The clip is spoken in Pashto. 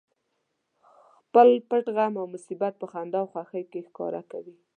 خپل پټ غم او مصیبت په خندا او خوښۍ کې ښکاره کوي